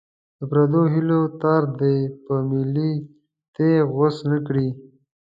د پردو هیلو تار دې په ملي تېغ غوڅ نه کړي.